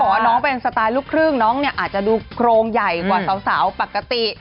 ว่าน้องเป็นสไตล์ลูกครึ่งน้องเนี่ยอาจจะดูโครงใหญ่กว่าสาวปกติ